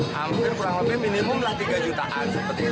mungkin kurang lebih minimum tiga jutaan